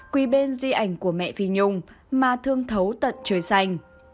quỳ bền di ảnh của mẹ phi nhung mà thương thấu tận trời xanh